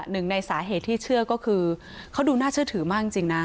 หนึ่งในสาเหตุที่เชื่อก็คือเขาดูน่าเชื่อถือมากจริงนะ